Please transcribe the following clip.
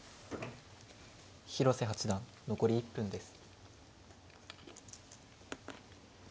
広瀬八段残り１分です。